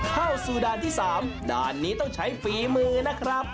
เข้าสู่ด่านที่๓ด่านนี้ต้องใช้ฝีมือนะครับ